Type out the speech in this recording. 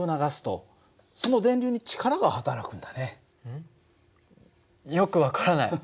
つまりよく分からない。